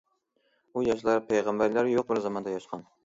ئۇ ياشلار پەيغەمبەرلەر يوق بىر زاماندا ياشىغان.